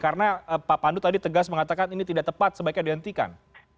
karena pak pandu tadi tegas mengatakan ini tidak tepat sebaiknya dihentikan